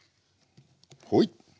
ほい。